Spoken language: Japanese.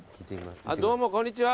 あっどうもこんにちは。